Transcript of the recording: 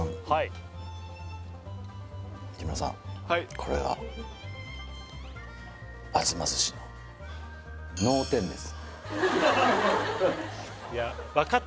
これが東鮨の脳天です